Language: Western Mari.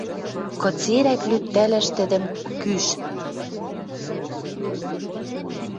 Кыцерӓк лӱктӓлӓш тӹдӹм кӱш?